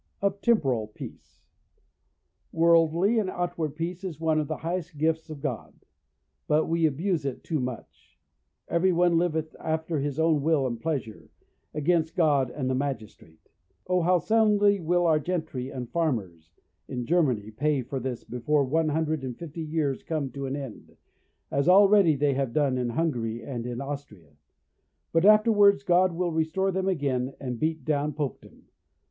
Of Temporal Peace. Worldly and outward peace is one of the highest gifts of God; but we abuse it too much; every one liveth after his own will and pleasure, against God and the Magistrate. Oh, how soundly will our gentry and farmers, in Germany, pay for this before one hundred and fifty years come to an end, as already they have done in Hungary and in Austria; but afterwards God will restore them again, and beat down Popedom.